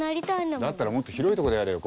だったらもっと広いとこでやれよ